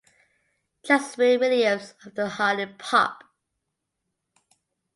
Jazmin Williams of The Honey Pop!